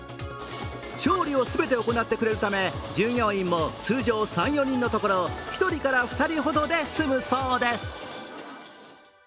調理を全て行ってくれるため、従業員も通常３４人のところ、１人から２人ほどで済むそうです。